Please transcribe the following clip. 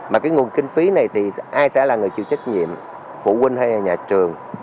mà cái nguồn kinh phí này thì ai sẽ là người chịu trách nhiệm phụ huynh hay là nhà trường